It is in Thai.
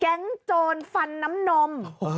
แก๊งโจรฟันน้ำนม